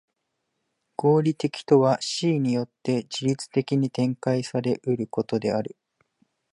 合理的とは思惟によって自律的に展開され得ることである。